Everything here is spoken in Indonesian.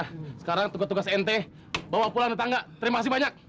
nah sekarang tugas tugas nt bawa pulang tetangga terima kasih banyak